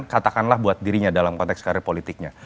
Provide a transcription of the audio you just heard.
katakanlah buat dirinya dalam konteks karir politiknya